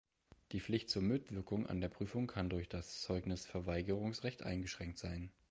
Die Pflicht zur Mitwirkung an der Prüfung kann durch das Zeugnisverweigerungsrecht eingeschränkt sein.